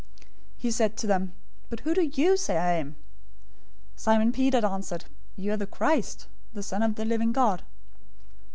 016:015 He said to them, "But who do you say that I am?" 016:016 Simon Peter answered, "You are the Christ, the Son of the living God."